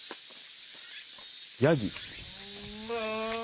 ヤギ。